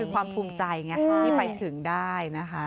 ความภูมิใจไงที่ไปถึงได้นะคะ